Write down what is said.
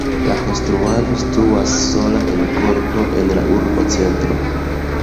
La konstruaĵo situas sola en korto en la urbocentro.